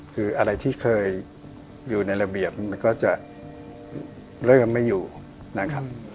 คืออะไรที่เคยอยู่ในระเบียบมันก็จะเริ่มไม่อยู่นะครับ